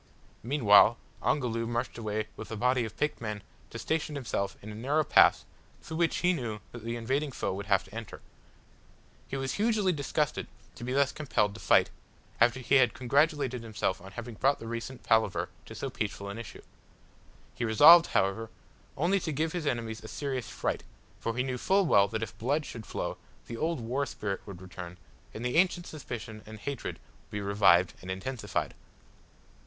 Meanwhile Ongoloo marched away with a body of picked men to station himself in a narrow pass through which he knew that the invading foe would have to enter. He was hugely disgusted to be thus compelled to fight, after he had congratulated himself on having brought the recent palaver to so peaceful an issue. He resolved, however, only to give his enemies a serious fright, for he knew full well that if blood should flow, the old war spirit would return, and the ancient suspicion and hatred be revived and intensified.